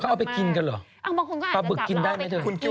เขาเอาไปกินกันเหรอเพื่อปลาบึกกินอย่างไร